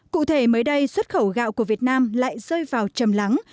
cụ thể mới đây xuất khẩu gạo của việt nam lại rơi vào chầm lắng